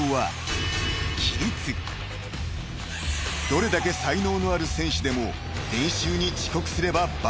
［どれだけ才能のある選手でも練習に遅刻すれば罰金］